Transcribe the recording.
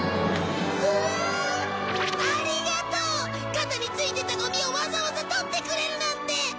肩についてたゴミをわざわざ取ってくれるなんて。